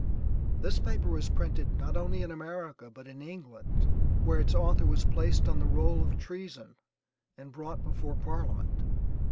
This, paper was printed, not only in America, but in England, where its author was placed on the roll of treason and brought before parliament.